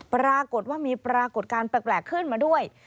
ปรากฏว่ามีปรากฏการณ์แปลกขึ้นมาด้วย